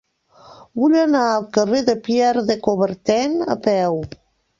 Vull anar al carrer de Pierre de Coubertin a peu.